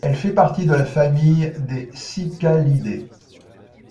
Elle fait partie de la famille des Cicadidae.